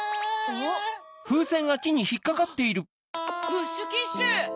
ムッシュ・キッシュ！